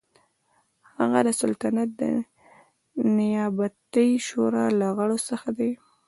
هغه د سلطنت د نیابتي شورا له غړو څخه و.